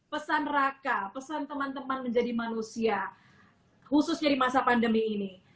pesan raka pesan teman teman menjadi manusia khususnya di masa pandemi ini